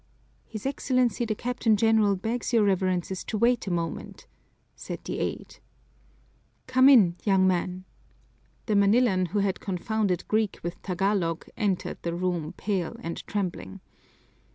"His Excellency the Captain General begs your Reverences to wait a moment," said the aide. "Come in, young man!" The Manilan who had confounded Greek with Tagalog entered the room pale and trembling.